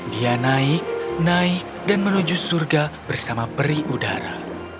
dia naik naik dan menuju surga bersama peri udara